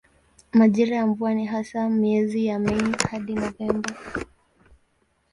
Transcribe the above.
Majira ya mvua ni hasa miezi ya Mei hadi Novemba.